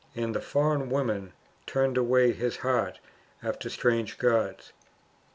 And the foreign women turned away his heart after strange gods.